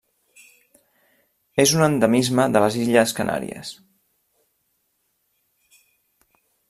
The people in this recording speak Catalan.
És un endemisme de les illes Canàries: